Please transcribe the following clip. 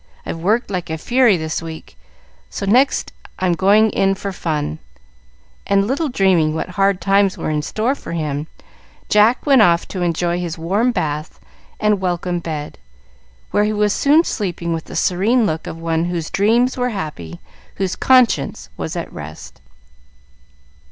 I've worked like fury this week, so next I'm going in for fun;" and, little dreaming what hard times were in store for him, Jack went off to enjoy his warm bath and welcome bed, where he was soon sleeping with the serene look of one whose dreams were happy, whose conscience was at rest.